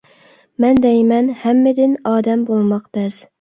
مەن دەيمەن ھەممىدىن ئادەم بولماق تەس.